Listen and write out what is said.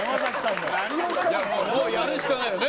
もうやるしかないよね